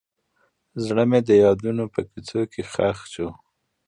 زړه مې د یادونو په کوڅو کې ښخ شو.